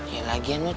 ya lah jan